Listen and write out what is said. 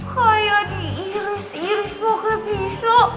kayak diiris iris pakai pisau